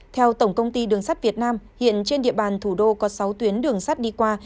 theo tổng công ty đường sắt việt nam hiện trên địa bàn thủ đô có sáu tuyến đường sắt đi qua